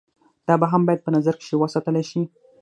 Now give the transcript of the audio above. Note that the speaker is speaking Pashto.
دا هم بايد په نظر کښې وساتلے شي